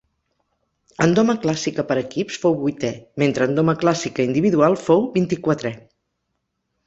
En doma clàssica per equips fou vuitè, mentre en doma clàssica individual fou vint-i-quatrè.